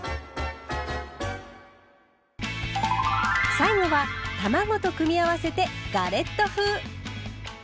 最後は卵と組み合わせてガレット風。